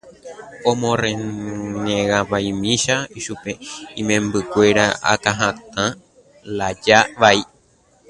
omorrenegámahina chupe imembykuéra akãhatã lája vai.